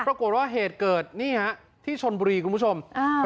ปรากฏว่าเหตุเกิดนี่ฮะที่ชนบุรีคุณผู้ชมอ่า